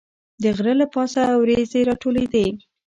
د غره له پاسه وریځې راټولېدې.